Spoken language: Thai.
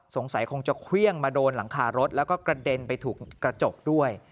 สงสัยคงจะเครื่องมาโดนหลังคารถแล้วก็กระเด็นไปถูกกระจกด้วย